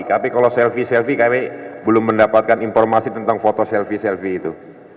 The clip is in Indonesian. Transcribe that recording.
tapi kalau selfie selfie kami belum mendapatkan informasi tentang foto selfie selfie itu